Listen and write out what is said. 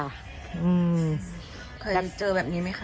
เคยเจอแบบนี้ไหมคะ